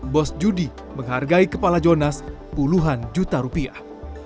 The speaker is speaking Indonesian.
bos judi menghargai kepala jonas puluhan juta rupiah